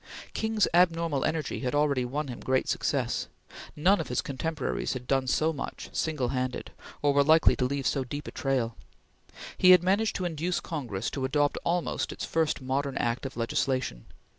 King's abnormal energy had already won him great success. None of his contemporaries had done so much, single handed, or were likely to leave so deep a trail. He had managed to induce Congress to adopt almost its first modern act of legislation.